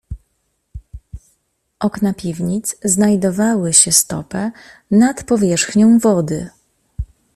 "Okna piwnic znajdowały się stopę nad powierzchnią wody."